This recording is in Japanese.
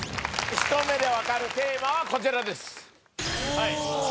ひと目でわかるテーマはこちらです。